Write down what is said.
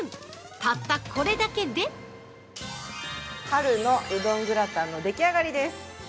たったこれだけで◆春のうどんグラタンの出来上がりです。